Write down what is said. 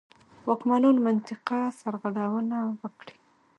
واکمنان منطقه سرغړونه وکړي.